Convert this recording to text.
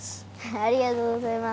ありがとうございます。